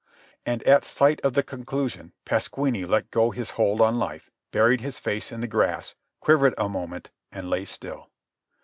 And at sight of the conclusion Pasquini let go his hold on life, buried his face in the grass, quivered a moment, and lay still.